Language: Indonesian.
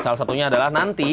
salah satunya adalah nanti